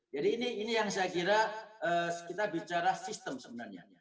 jadi ini yang saya kira kita bicara sistem sebenarnya